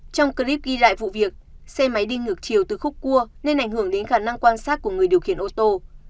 trong clip ghi lại vụ việc xe máy đi ngược chiều từ khúc cua nên ảnh hưởng đến khả năng quan sát của người điều khiển ô tô